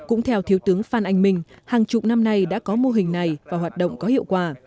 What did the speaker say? cũng theo thiếu tướng phan anh minh hàng chục năm nay đã có mô hình này và hoạt động có hiệu quả